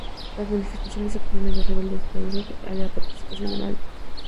Los manifestantes se oponían a los rebeldes tuareg y la partición de Malí.